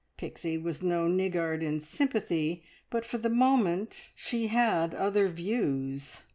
Pixie was no niggard in sympathy, but for the moment she had other views.